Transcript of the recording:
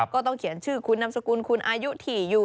ก็ต้องเขียนชื่อคุณนามสกุลคุณอายุถี่อยู่